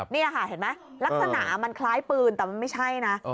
นี่ค่ะเห็นไหมลักษณะมันคล้ายปืนแต่มันไม่ใช่นะ